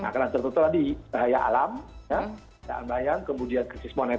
karena tertentu tadi bahaya alam kemudian krisis moneda